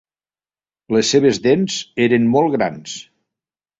Les seves dents eren molt grans.